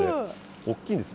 大きいんですよ。